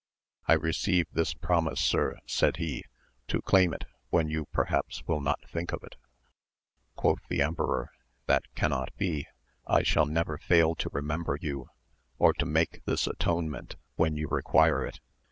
I receive this promise sir, said he, to claim it when you perhaps will not think of it. Quoth the emperor, that cannot be, I shall never fail to remem ber you, or to make this atonement when you require it.